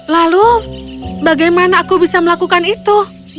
lalu bagaimana aku bisa melakukan itu